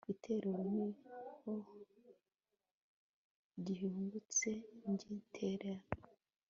igitero niyo gihingutse ngiterana